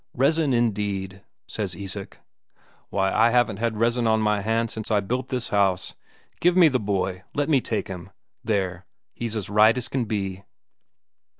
"Resin, indeed!" says Isak. "Why, I haven't had resin on my hands since I built this house. Give me the boy, let me take him there, he's as right as can be!"